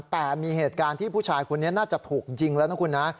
แต่มีเหตุการณ์ที่ผู้ชายคนนี้น่าจะถูกยิงแล้วนะคุณนะ